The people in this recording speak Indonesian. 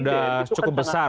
sudah cukup besar